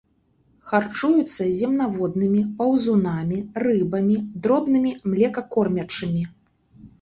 Харчуюцца земнаводнымі, паўзунамі, рыбамі, дробнымі млекакормячымі.